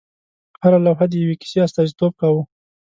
هره لوحه د یوې کیسې استازیتوب کاوه.